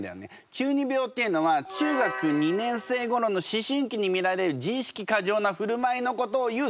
中二病っていうのは中学二年生ごろの思春期に見られる自意識過剰なふるまいのことをいう造語。